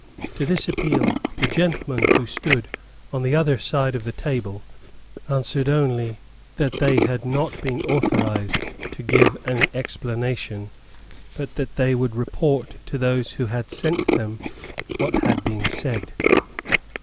To this appeal the gentlemen who stood on the other side of the table answered only that they had not been authorised to give any explanation, but that they would report to those who had sent them what had been said.